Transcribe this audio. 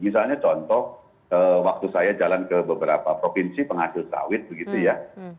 misalnya contoh waktu saya jalan ke beberapa provinsi penghasil sawit begitu ya